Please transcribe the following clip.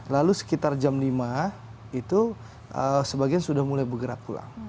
lalu sekitar jam lima itu sebagian sudah mulai bergerak pulang